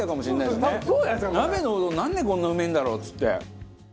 鍋のうどんなんでこんなうめえんだろう？っつって。